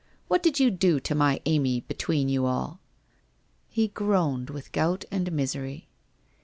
What did you do to my Amy between you all ?' He groaned with gout and misery.